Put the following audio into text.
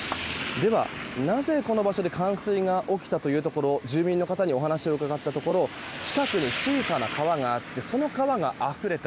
では、なぜこの場所で冠水が起きたかというところ住民の方にお話を伺ったところ近くに小さな川があってその川があふれた。